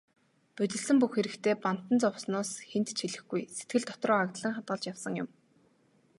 Будилсан бүх хэрэгтээ бантан зовсноос хэнд ч хэлэхгүй, сэтгэл дотроо агдлан хадгалж явсан юм.